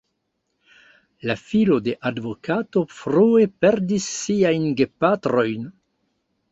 La filo de advokato frue perdis siajn gepatrojn.